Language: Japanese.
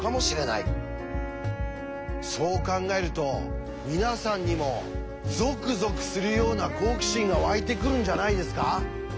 そう考えると皆さんにもゾクゾクするような好奇心がわいてくるんじゃないですか？